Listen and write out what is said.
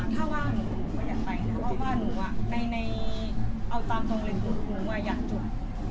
ถ้าว่าหนูก็อยากไปถ้าว่าหนูอ่ะในเอาตามตรงเรื่องทุกหนูว่าอยากจุด